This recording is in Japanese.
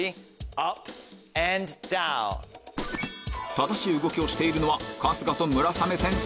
正しい動きをしているのは春日と村雨先生